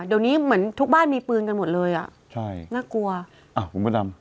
เดี๋ยวนี้เหมือนทุกบ้านมีปืนกันหมดเลยอ่ะใช่น่ากลัวอ้าวคุณพระดำ